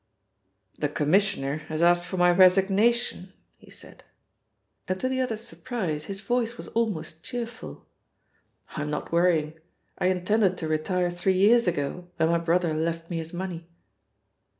"The Commissioner, has asked for my resignation," he said, and to the other's surprise, his voice was almost cheerful. "I'm not worrying. I intended to retire three years ago when my brother left me his money."